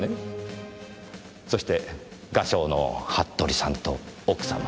そして画商の服部さんと奥様。